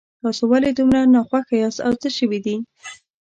تاسو ولې دومره ناخوښه یاست او څه شوي دي